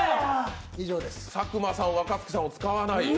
佐久間さん、若槻さんを使わない？